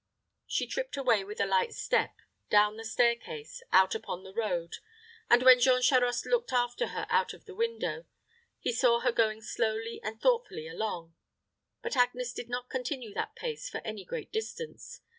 She tripped away with a light step, down the stair case, out upon the road; and when Jean Charost looked after her out of the window he saw her going slowly and thoughtfully along. But Agnes did not continue that pace for any great distance.